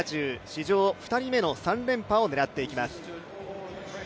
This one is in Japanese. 史上２人目の３連覇を狙っていきます。